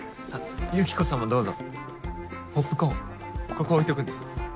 ユキコさんもどうぞポップコーンここ置いとくんで。